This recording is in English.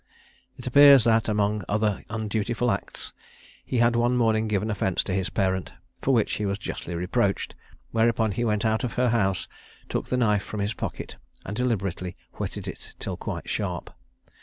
It appears that among other undutiful acts, he had one morning given offence to his parent, for which he was justly reproached, whereupon he went out of her house, took the knife from his pocket, and deliberately whetted it till quite sharp.